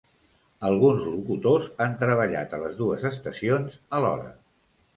Alguns locutors han treballat a les dues estacions a l'hora.